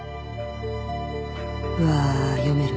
うわ読める。